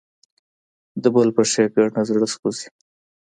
د بل په ښېګڼه زړه سوځي.